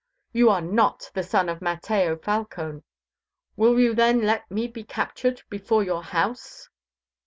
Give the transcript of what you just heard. "You are not the son of Mateo Falcone! Will you then let me be captured before your house?"